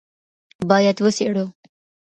باید وڅېړو